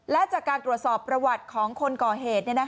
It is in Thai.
และจากการตรวจสอบประวัติของคนก่อเหตุ